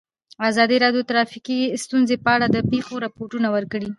ازادي راډیو د ټرافیکي ستونزې په اړه د پېښو رپوټونه ورکړي.